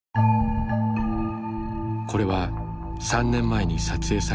これは３年前に撮影された写真。